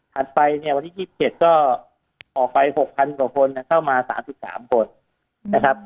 ถัดไปเนี่ยวันที่ยี่สิบเจ็ดก็ออกไปหกพันกว่าคนนะเข้ามาสามสิบสามคนนะครับ